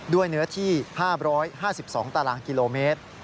เนื้อที่๕๕๒ตารางกิโลเมตร